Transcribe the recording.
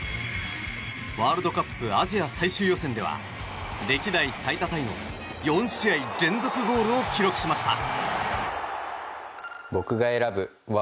ワールドカップアジア最終予選では歴代最多タイの４試合連続ゴールを記録しました。